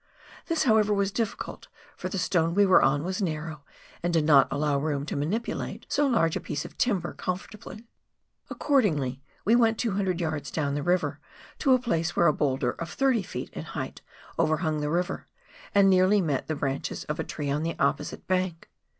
This, however, was difficult, for the stone we were on was narrow, and did not allow room to manipulate so large a piece of timber comfortably. Accord ingly we went 200 yds. down the river to a place where a boulder of 30 ft. in height overhimg the river, and nearly met the branches of a tree on the opposite bank.